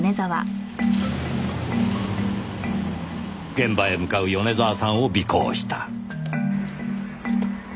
現場へ向かう米沢さんを尾行した。